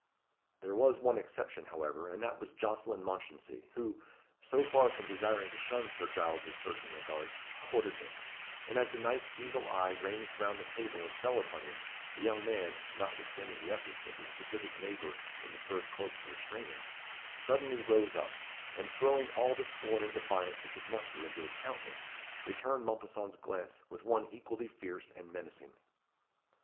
There was one exception, however, and that was Jocelyn Mounchensey, who, so far from desiring to shun Sir Giles's searching regards, courted them; and as the knight's eagle eye ranged round the table and fell upon him, the young man (notwithstanding the efforts of his pacific neighbour in the furred cloak to restrain him) suddenly rose up, and throwing all the scorn and defiance he could muster into his countenance, returned Mompesson's glance with one equally fierce and menacing.